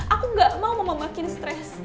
aku gak mau makin stres